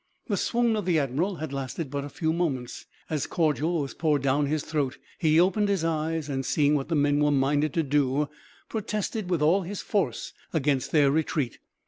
The swoon of the admiral had lasted but a few moments. As cordial was poured down his throat he opened his eyes and, seeing what the men were minded to do, protested with all his force against their retreat.